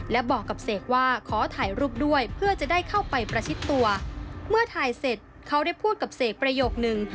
และบอกกับเสกว่าขอถ่ายรูปด้วยเพื่อจะได้เข้าไปประชิดตัวเมื่อถ่ายเสร็จเขาได้พูดกับเสกประโยคนึง